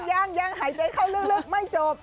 ยังหายใจเข้าลึกไม่จบ